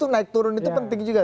naik turun itu penting juga